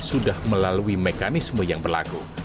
sudah melalui mekanisme yang berlaku